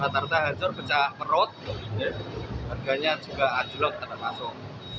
rata rata hancur pecah perut harganya juga ajelot karena masuk